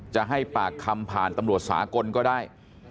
จะให้ปากคำผ่านตำรวจสากลก็ได้